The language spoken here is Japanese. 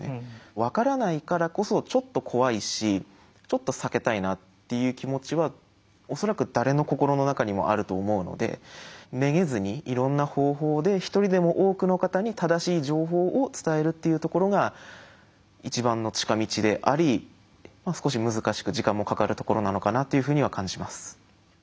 分からないからこそちょっと怖いしちょっと避けたいなっていう気持ちは恐らく誰の心の中にもあると思うのでめげずにいろんな方法で一人でも多くの方に正しい情報を伝えるっていうところが一番の近道であり少し難しく時間もかかるところなのかなというふうには感じます。